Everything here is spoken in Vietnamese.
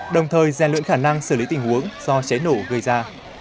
đồng thời gian luyện khả năng xử lý tình huống do cháy nổ gây ra